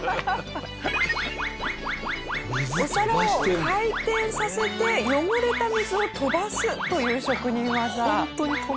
お皿を回転させて汚れた水を飛ばすという職人技。